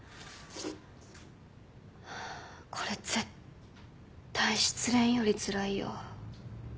ハァこれ絶対失恋よりつらいよ。